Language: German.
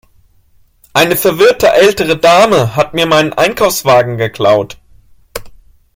Eine verwirrte ältere Dame hat mir meinen Einkaufswagen geklaut.